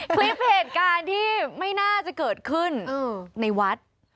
คลิปเหตุการณ์ที่ไม่น่าจะเกิดขึ้นในวัด